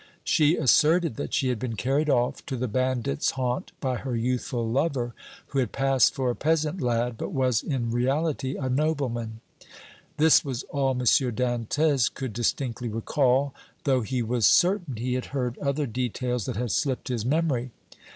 She asserted that she had been carried off to the bandits' haunt by her youthful lover, who had passed for a peasant lad, but was in reality a nobleman. This was all M. Dantès could distinctly recall, though he was certain he had heard other details that had slipped his memory.